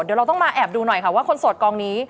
เดี๋ยวเราต้องมาแอบดูหน่อยค่ะว่าคนโสดกองนี้